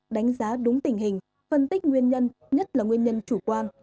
đánh giá đúng tình hình phân tích nguyên nhân nhất là nguyên nhân chủ quan